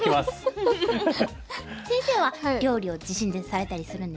先生は料理を自身でされたりするんですか？